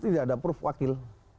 tidak ada proof wakil